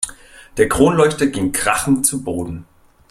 Der Kronleuchter ging krachend zu Boden.